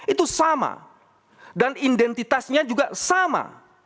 itu sama dan identitasnya juga sama